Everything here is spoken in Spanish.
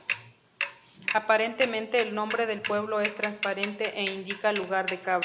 Aparentemente el nombre del pueblo es transparente e indica 'lugar de cabras'.